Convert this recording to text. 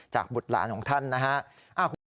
จากบุตรหลานของท่านนะครับ